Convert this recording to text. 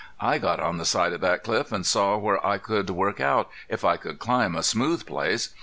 I got on the side of that cliff an' saw where I could work out, if I could climb a smooth place.